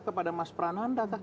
kepada mas prananda